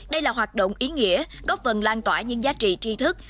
đây là hoạt động ý nghĩa góp phần lan tỏa những giá trị tri thức